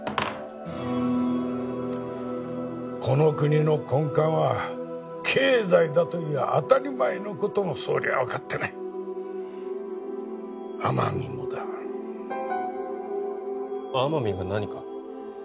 この国の根幹は経済だという当たり前のことも総理は分かってない天海もだ天海が何か？